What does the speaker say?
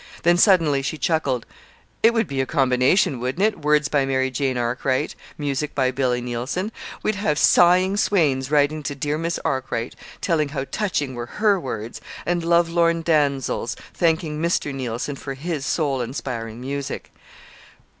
Then suddenly she chuckled. "It would be a combination, wouldn't it? 'Words by Mary Jane Arkwright. Music by Billy Neilson'! We'd have sighing swains writing to 'Dear Miss Arkwright,' telling how touching were her words; and lovelorn damsels thanking Mr. Neilson for his soul inspiring music!"